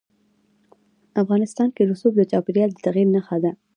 افغانستان کې رسوب د چاپېریال د تغیر نښه ده.